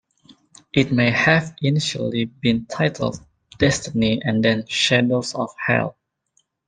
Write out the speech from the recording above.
It may have initially been titled "Destiny" and then "Shadows of Hell".